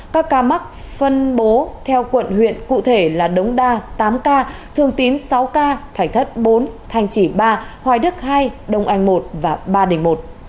các ca mắc phân bố theo quận huyện cụ thể là đống đa tám ca thường tín sáu ca thải thất bốn thanh chỉ ba hoài đức hai đông anh một và ba đình một